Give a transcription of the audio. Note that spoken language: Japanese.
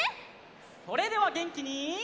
それではげんきに。